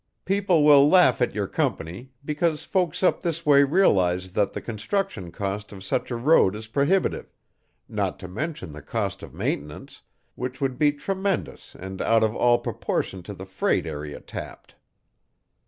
People will laugh at your company, because folks up this way realize that the construction cost of such a road is prohibitive, not to mention the cost of maintenance, which would be tremendous and out of all proportion to the freight area tapped."